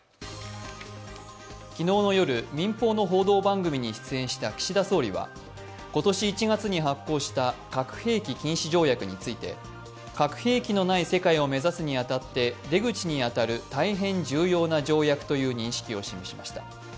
昨日の夜、民放の報道番組に出演した岸田総理は今年１月に発効した核兵器禁止条約について核兵器のない世界を目指すに当たって出口に当たる大変重要な条約という認識を示しました。